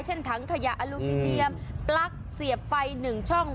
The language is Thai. ถังขยะอลูมิเนียมปลั๊กเสียบไฟ๑ช่อง